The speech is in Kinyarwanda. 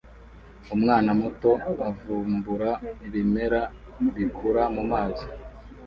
Umwana muto avumbura ibimera bikura mumazi